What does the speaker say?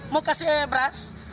mau kasih beras